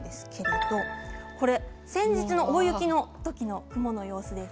先日の大雪の時の雲の様子です。